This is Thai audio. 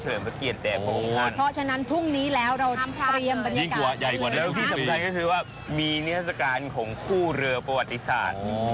เอาเสื้อมาแจกด้วยไปกันแล้วช่วงหน้าสักครู่ค่ะ